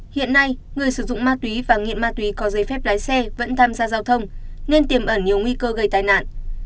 hiện nay người sử dụng ma túy và nghiện ma túy có giấy phép lái xe vẫn tham gia giao thông nên tiềm ẩn nhiều nguy cơ gây tai nạn